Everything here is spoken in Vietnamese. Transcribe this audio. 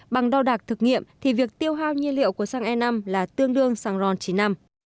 bằng đo đạc thực nghiệm thì việc tiêu hao nhiên liệu của xăng e năm là tương đương xăng ron chín năm